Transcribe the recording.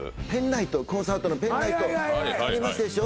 コンサートのペンライトありますでしょ？